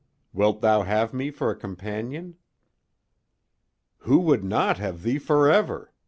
Wilt thou have me for a companion?" "Who would not have thee forever?"